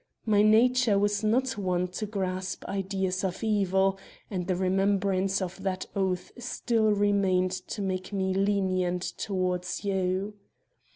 My nature was not one to grasp ideas of evil, and the remembrance of that oath still remained to make me lenient toward you.